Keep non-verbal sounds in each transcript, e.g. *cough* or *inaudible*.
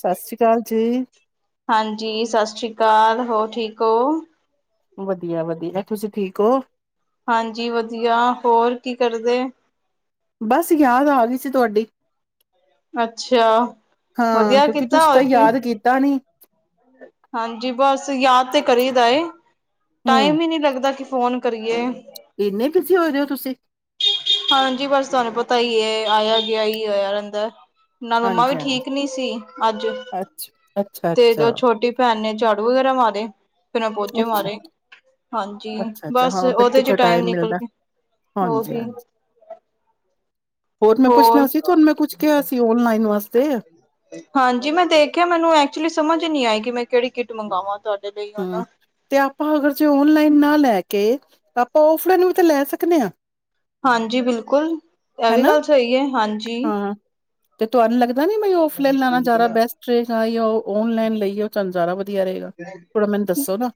ਸਤਿ ਸ਼੍ਰੀ ਅਕਾਲ ਜੀ ਹਾਂਜੀ ਸਤਿ ਸ੍ਰੀ ਅਕਾਲ ਹੋਰ ਠੀਕ ਹੋ? ਵਧੀਆ ਵਧੀਆ ਤੁਸੀਂ ਠੀਕ ਹੋ? ਹਾਂਜੀ ਵਧੀਆ ਹੋਰ ਕੀ ਕਰਦੇ? ਬਸ ਯਾਦ ਆ ਗਈ ਸੀ ਤੁਹਾਡੀ। ਅੱਛਾ ਹਾਂ ਵਧੀਆ ਕਿਉਂਕਿ ਕੀਤਾ ਤੁਸੀ ਹੋਰ ਤਾਂ ਕੀ ਯਾਦ ਕੀਤਾ ਨੀ। ਹਾਂਜੀ ਬਸ ਯਾਦ ਤੇ ਕਰੀ ਦਾ ਏ, ਹੂੰ, ਟਾਈਮ ਹੀ ਨਹੀਂ ਲੱਗਦਾ ਫੋਨ ਕਰੀਏ ਇੰਨੇ ਬਿਜ਼ੀ ਹੋਏ ਦੇ ਹੋ ਤੁਸੀਂ ਹਾਂਜੀ ਬਸ ਤੁਹਾਨੂੰ ਪਤਾ ਹੀ ਏ, ਆਇਆ ਗਿਆ ਹੀ ਆਇਆ ਰਹਿੰਦਾ। ਨਾਲ ਮੰਮਾ ਵੀ ਹਾਂਜੀ-ਹਾਂਜੀ, ਠੀਕ ਨੀ ਸੀ ਅੱਜ ਅੱਛਾ ਤੇ ਅੱਛਾ-ਅੱਛਾ। ਜੋ ਛੋਟੀ ਭੈਣ ਨੇ ਝਾੜੂ ਵਗੈਰਾ ਮਾਰੇਆ ਐ ਫੇਰ ਮੈਂ ਪੋਚੇ ਅੱਛਾ, ਮਾਰੇ ਹਾਂਜੀ ਅੱਛਾ-ਅੱਛਾ ਬਸ ਉਹਦੇ ਚ ਟਾਈਮ ਨਿਕਲ ਗ ਹਾਂਜੀ ਹਾਂਜੀ ਹੋਰ ਮੈਂ ਪੁੱਛਣਾ ਸੀ ਤੁਹਾਨੂੰ ਮੈਂ ਕੁੱਛ ਕਿਹਾ ਸੀ ਓਨਲਾਈਨ ਵਾਸਤੇ ਹਾਂਜੀ ਮੈਂ ਦੇਖਿਆ ਮੈਨੂੰ ਐਕਚੁਲੀ ਸਮਝ ਨੀ ਆਈ ਕਿ ਮੈਂ ਕਿਹੜੀ ਕਿੱਟ ਮੰਗਾਵਾਵਾਂ ਤੁਹਾਡੀ ਹੂ, ਤੇ ਆਪਾਂ ਅਗਰ ਜੇ ਓਨਲਾਈਨ ਨਾ ਲੈ ਕੇ, ਤੇ ਆਪਾਂ ਫਲਾਈਨ ਵੀ ਤਾਂ ਲੈ ਸਕਦੇ ਹਾਂ ਹਾਂਜੀ ਬਿਲਕੁਲ ਇਹ ਵੀ ਹੈਨਾ, ਗੱਲ ਸਹੀ ਹੈ ਹਾਂਜੀ। ਹਾਂ ਤੇ ਤੁਹਾਨੂੰ ਲੱਗਦਾ ਨੀ ਮੈਂ ਔਫਲਾਈਨ ਲੈਣਾ ਜਾਯਾਦਾ ਬੈਸਟ ਉਥੇ ਜਾਈਏ ਯਾ ਉਹ ਓਨ ਲਾਈਨ ਲਈਏ ਉਹ ਚੱਲ ਜ਼ਿਆਦਾ ਵਧੀਆ ਰਹੇਗਾ। ਥੋੜਾ ਮੈਨੂੰ ਦੱਸੋ ਨਾ?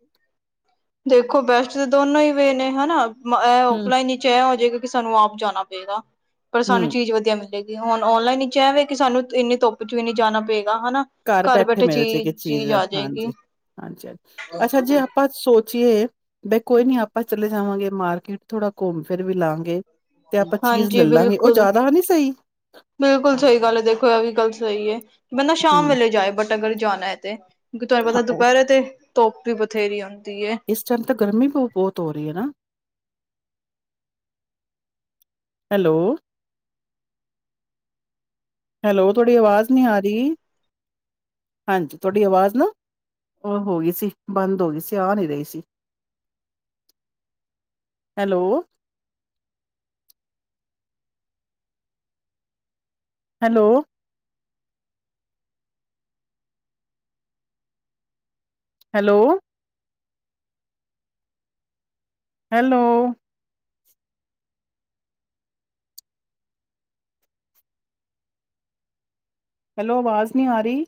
ਦੇਖੋ ਬੈਸਟ ਤਾਂ ਦੋਨੋ ਹੀ ਵੇ ਨੇ ਹੈਨਾ ਇਹ ਹੂੰ, ਔਫਲਾਈਨ ਹੀ ਚਾਏ ਏ ਹੋ ਜਾਏਗਾ ਕਿ ਸਾਨੂੰ ਆਪ ਜਾਣਾ ਪਏਗਾ, ਪਰ ਸਾਨੂੰ ਹੂੰ ਚੀਜ਼ ਵਧੀਆ ਮਿਲ ਹੁਣ ਔਨਲਾਈਨ ਹੀ ਚਹਿਵੇ ਕਿ ਸਾਨੂੰ ਇੰਨੀ ਧੁੱਪ 'ਚ ਵੀ ਨੀ ਜਾਣਾ ਪਏਗਾ ਹਨਾ। ਘਰ ਬੈਠੇ ਚੀਜ਼ ਚੀਜ਼ ਆ ਜਾਏਗੀ। ਹਾਂਜੀ-ਹਾਂਜੀ ਅੱਛਾ ਜੇ ਆਪਾਂ ਸੋਚ ਏ ਬ ਕੋਈ ਨੀ ਆਪਾਂ ਚਲੇ ਜਾਵਾਂਗੇ ਮਾਰਕੀਟ ਥੋੜਾ ਘੁੰਮ ਫਿਰ ਵੀ ਲਾਂਗੇ ਤੇ ਆਪਾਂ ਚੀਜ਼ ਹਾਂਜੀ ਲੈਲਾਂਗੇ ਉਹ ਬਿਲਕੁਲ। ਜ਼ਿਆਦਾ ਨੀ ਸਹੀ ਬਿਲਕੁਲ ਸਹੀ ਗੱਲ ਏ ਦੇਖੋ ਇਹ ਵੀ ਗੱਲ ਸਹੀ ਏ ਬੰਦਾ ਸ਼ਾਮ ਹੂੰ ਵੇਲੇ ਜਾਏ ਬਟ ਅਗਰ ਜਾਣਾ ਏ ਤੇ। ਕਿਉਕਿ ਤੁਹਾਨੂੰ ਹਾਂ ਪਤਾ ਉਹ ਦੁਪਹਿਰੇ ਤੇ, ਧੁੱਪ ਵੀ ਬਥੇਰੀ ਆਉਂਦੀ ਹੈ। ਇਸ ਟਾਈਮ ਤਾਂ ਗਰਮੀ ਬ ਬਹੁਤ ਰਹੀ ਹੈ ਨਾ ਹੈਲੋ ਹੈਲੋ ਤੁਹਾਡੀ ਆਵਾਜ਼ ਨੀ ਆ ਰਹੀ। ਹਾਂਜੀ ਤੁਹਾਡੀ ਆਵਾਜ਼ ਨਾ, ਉਹ ਹੋ ਗਈ ਸੀ ਬੰਦ ਹੋ ਗਈ ਸੀ ਆ ਨੀ ਰਹੀ ਸੀ। *inaudible* Hello hello hello hello hello ਅਵਾਜ਼ ਨੀ ਆ ਰਹੀ।